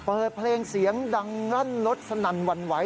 เปิดเพลงเสียงดังรั่นรถสนั่นหวั่นไหว